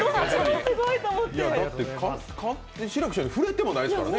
志らく師匠に触れてもないですからね。